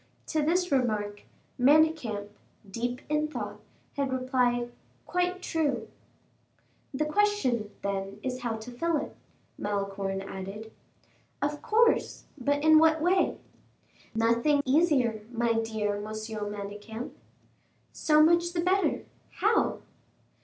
To this remark, Manicamp, deep in thought, had replied, "Quite true!" "The question, then, is how to fill it?" Malicorne added. "Of course; but in what way?" "Nothing easier, my dear Monsieur Manicamp." "So much the better. How?"